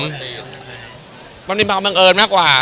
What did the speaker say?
บางทีมันมียังบังเอิญมากกว่า